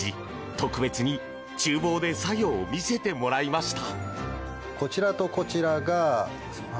特別に、厨房で作業を見せてもらいました。